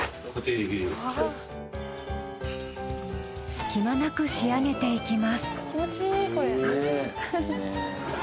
隙間なく仕上げていきます。